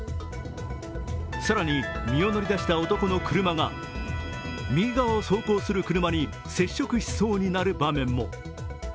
更に、身を乗り出した男の車が右側を走行する車に接触しそうになる場面も。